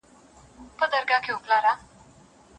پرون مازیګر ناوخته